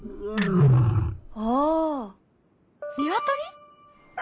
ああニワトリ？